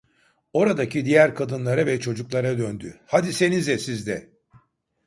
Oradaki diğer kadınlara ve çocuklara döndü: "Hadisenize siz de!".